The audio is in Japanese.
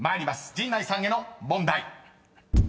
陣内さんへの問題］